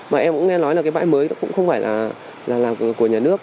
mà em cũng nghe nói là cái bãi mới cũng không phải là của nhà nước